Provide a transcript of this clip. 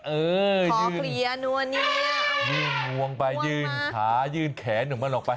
เออยืนพอเคลียร์นัวนี้เอามายืนวงไปยืนขายืนแขนของมันออกไป